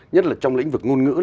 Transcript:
nhất là trong lĩnh vực ngôn ngữ